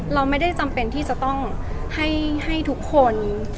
เราไม่ได้จำเป็นที่จะต้องให้ทุกคน